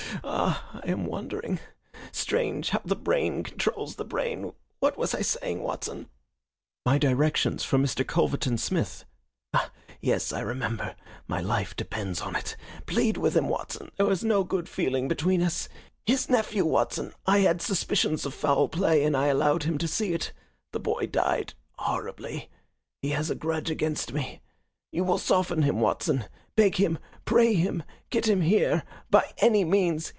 Ah, I am wandering! Strange how the brain controls the brain! What was I saying, Watson?" "My directions for Mr. Culverton Smith." "Ah, yes, I remember. My life depends upon it. Plead with him, Watson. There is no good feeling between us. His nephew, Watson I had suspicions of foul play and I allowed him to see it. The boy died horribly. He has a grudge against me. You will soften him, Watson. Beg him, pray him, get him here by any means.